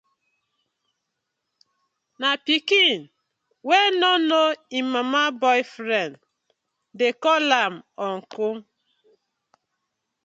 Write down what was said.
Na pikin wey no know im mama boyfriend dey call am uncle.